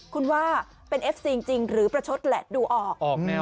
คุณว่าเป็นเอฟซีจริงหรือประชดแหละดูออกแนว